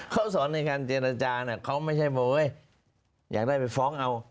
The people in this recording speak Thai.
เขาสอนในการเจนอาจารย์น่ะเขาไม่ใช่บอกเว้ยอยากได้ไปฟ้องเอา